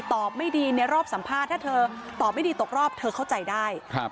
ไม่ดีในรอบสัมภาษณ์ถ้าเธอตอบไม่ดีตกรอบเธอเข้าใจได้